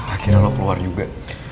akhirnya lo keluar juga